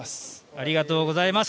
ありがとうございます。